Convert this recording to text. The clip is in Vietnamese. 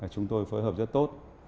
chúng tôi phối hợp rất tốt